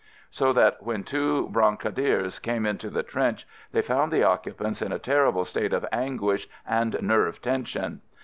So that when two brancardiers came into the trench they found the occupants in a ter rible state of anguish and nerve tension.